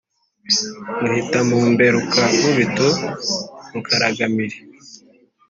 Ruhitamumberuka Nkubito Rukaragampiri